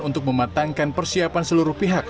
untuk mematangkan persiapan seluruh pihak